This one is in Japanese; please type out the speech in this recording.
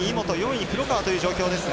４位に黒川という状況です。